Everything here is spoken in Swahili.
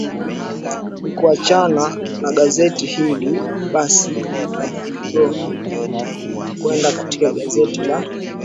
nikiachana na gazeti hili basi lefigaho na kwenda katika gazeti la